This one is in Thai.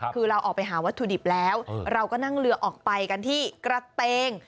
คือเราออกไปหาวัตถุดิบแล้วเราก็นั่งเรือออกไปกันที่กระเตง